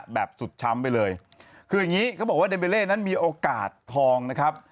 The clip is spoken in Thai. แบบสุดช้ำไปเลยคืออย่างงี้เขาบอกว่าเดมเบเล่นั้นมีโอกาสทองนะครับ